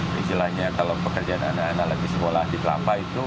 istilahnya kalau pekerjaan anak anak lagi sekolah di kelapa itu